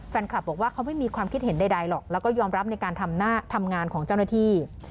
แฟนคลับบอกว่าเขาไม่มีความคิดเห็นใดหรอกแล้วก็ยอมรับในการทำงานของเจ้าหน้าที่